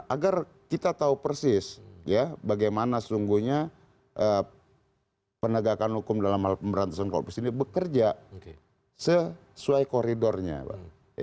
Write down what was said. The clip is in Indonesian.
agar kita tahu persis bagaimana sesungguhnya penegakan hukum dalam hal pemberantasan korupsi ini bekerja sesuai koridornya pak